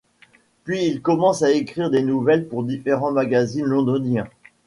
Puis, il commence à écrire des nouvelles pour différents magazines londoniens.